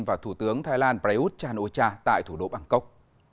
và thủ tướng thái lan prayuth chan o cha tại thủ đô bangkok